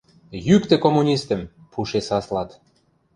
— Йӱктӹ коммунистӹм!.. — пуше саслат.